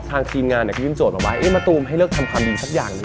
ทางครีมงานเนี่ยก็ยื่นโจทย์บอกว่าต้องให้เลือกทำความดีซักอย่าง